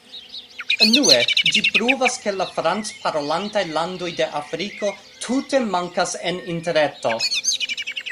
Unue, ĝi pruvas ke la franc-parolantaj landoj de Afriko tute mankas en Interreto.